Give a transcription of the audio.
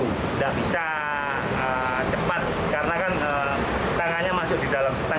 tidak bisa cepat karena kan tangannya masuk di dalam setan